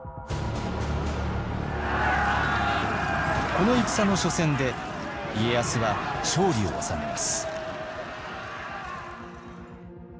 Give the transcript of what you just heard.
この戦の緒戦で家康は勝利を収めます。